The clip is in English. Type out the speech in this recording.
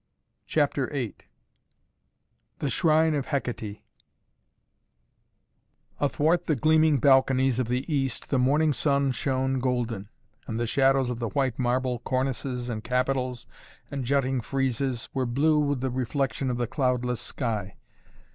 CHAPTER VIII THE SHRINE OF HEKATÉ Athwart the gleaming balconies of the east the morning sun shone golden and the shadows of the white marble cornices and capitals and jutting friezes were blue with the reflection of the cloudless sky.